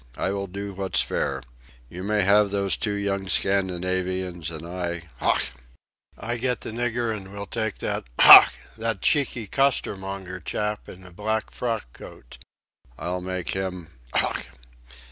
I will do what's fair. You may have those two young Scandinavians and I... Ough!... I get the nigger, and will take that.... Ough! that cheeky costermonger chap in a black frock coat. I'll make him.... Ough!...